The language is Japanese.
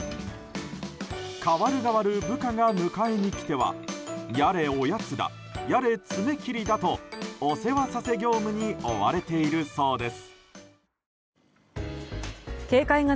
代わる代わる部下が迎えに来てはやれおやつだ、やれ爪切りだとお世話させ業務に追われているそうです。